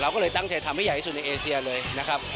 ก็เลยตั้งใจทำให้ใหญ่ที่สุดในเอเซียเลยนะครับ